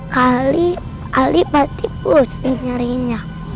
kali ali pasti plus nih nyariinnya